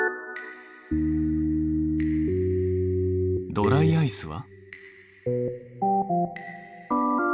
ドライアイスは？